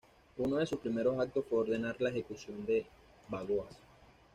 Uno de sus primeros actos fue ordenar la ejecución de Bagoas.